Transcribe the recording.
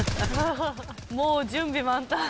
もう準備万端。